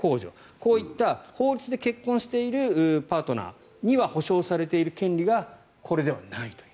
こういった法律で結婚しているパートナーには保障されている権利がこれでは、ないという。